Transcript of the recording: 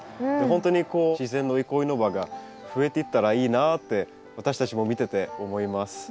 ほんとにこう自然の憩いの場が増えていったらいいなって私たちも見てて思います。